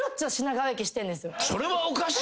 それはおかしいけどな。